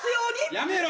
やめろ！